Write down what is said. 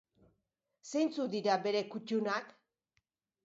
Zeintzuk dira bere kuttunak?